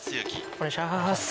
お願いします。